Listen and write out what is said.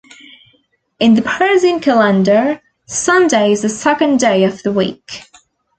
In the Persian calendar, Sunday is the second day of the week.